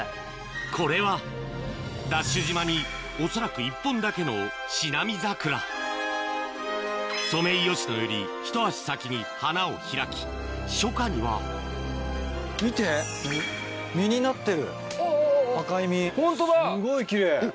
これはＤＡＳＨ島に恐らく１本だけのソメイヨシノよりひと足先に花を開き初夏には見て実になってる赤い実すごい奇麗。